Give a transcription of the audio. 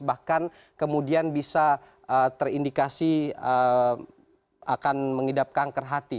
bahkan kemudian bisa terindikasi akan mengidap kanker hati